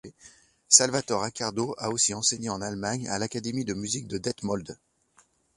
Salvatore Accardo a aussi enseigné en Allemagne à l'Académie de musique de Detmold.